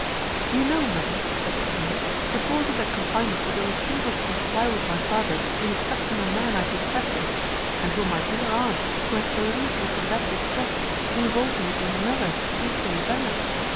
"You know, madam," said Sophia, "the cause of that confinement was a refusal to comply with my father in accepting a man I detested; and will my dear aunt, who hath relieved me from that distress, involve me in another equally bad?"